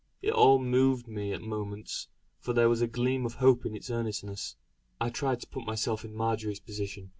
It all moved me at moments, for there was a gleam of hope in its earnestness. I tried to put myself in Marjory's position.